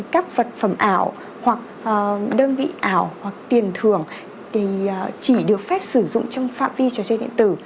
các vật phẩm ảo hoặc đơn vị ảo hoặc tiền thường thì chỉ được phép sử dụng trong phạm vi trò chơi điện tử